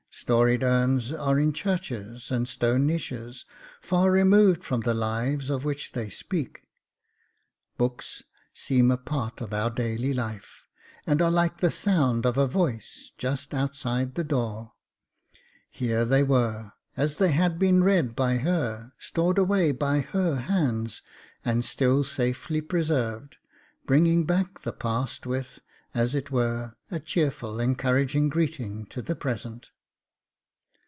Storied urns are in churches and stone niches, far removed from the lives of which they speak; books seem a part of our daily life, and are like the sound of a voice just outside the door. Here they were, as they had been read by her, stored away by her hands, and still safely preserved, bringing back the past with, as it were, a cheerful encouraging greeting to the present.